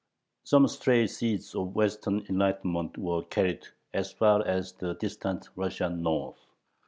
Some stray seeds of Western "enlightenment" were carried as far as the distant Russian North.